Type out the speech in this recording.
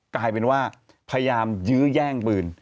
กลายเป็นว่าพยายามยื้อแย่งปืน